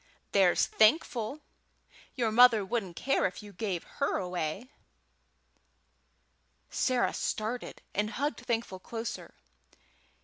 "There's Thankful. Your mother wouldn't care if you gave her away." Sarah started, and hugged Thankful closer.